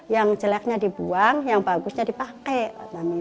yang jeleknya dibuang yang bagusnya dipakai